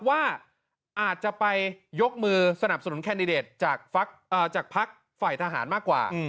ว่าอาจจะไปยกมือสนับสนุนแคนดิเดตจากภักดิ์ฝ่ายทหารมากกว่า